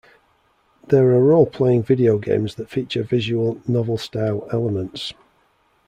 There are role-playing video games that feature visual novel-style elements.